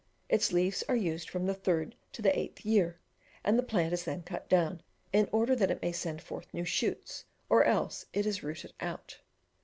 Its leaves are used from the third to the eighth year; and the plant is then cut down, in order that it may send forth new shoots, or else it is rooted out.